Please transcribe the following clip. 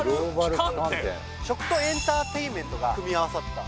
食とエンターテインメントが組み合わさった